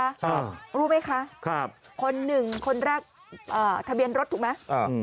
ครับครับรู้ไหมคะคนหนึ่งคนแรกทะเบียนรถถูกไหม